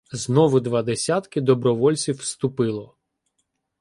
Знову два десятки добровольців вступило.